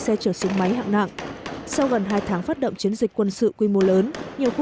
xe chở súng máy hạng nặng sau gần hai tháng phát động chiến dịch quân sự quy mô lớn nhiều khu